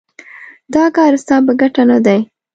دا کار ستا په ګټه نه دی.